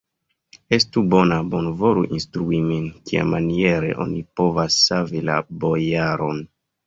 Estu bona, bonvolu instrui min, kiamaniere oni povas savi la bojaron.